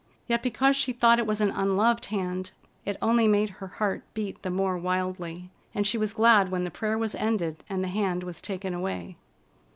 Yet because she thought it was an unloved hand, it only made her heart beat the more wildly, and she was glad when the prayer was ended and the hand was taken away.